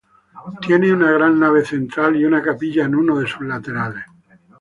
Tiene una gran nave central y una capilla en uno de sus laterales.